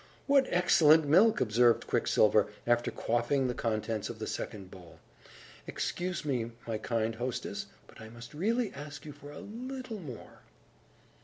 "What excellent milk!" observed Quicksilver, after quaffing the contents of the second bowl, "Excuse me, my kind hostess, but I must really ask you for a little more."